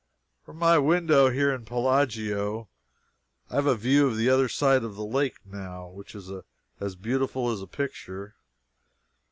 From my window here in Bellaggio, I have a view of the other side of the lake now, which is as beautiful as a picture.